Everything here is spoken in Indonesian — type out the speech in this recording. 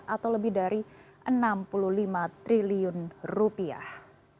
atau lebih dari enam puluh lima triliun rupiah